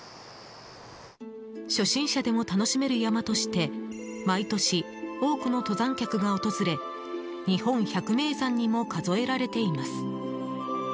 初心者でも楽しめる山として毎年多くの登山客が訪れ日本百名山にも数えられています。